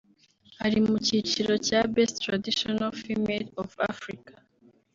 ari mu cyiciro cya ‘Best Traditional Female of Africa’